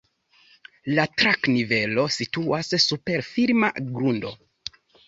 La trak-nivelo situas super firma grundo.